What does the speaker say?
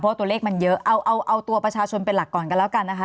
เพราะตัวเลขมันเยอะเอาตัวประชาชนเป็นหลักก่อนกันแล้วกันนะคะ